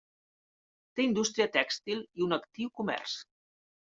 Té indústria tèxtil i un actiu comerç.